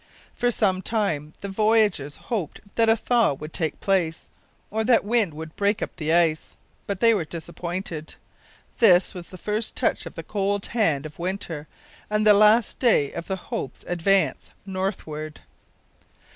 For some time the voyagers hoped that a thaw would take place, or that wind would break up the ice. But they were disappointed. This was the first touch of the cold hand of winter, and the last day of the Hope's advance northward.